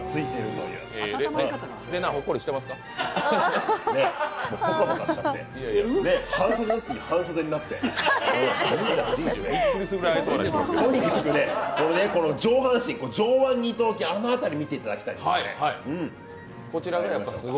とにかく上半身、上腕二頭筋あの辺り見ていただきたい。